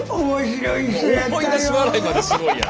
思い出し笑いまでするんや。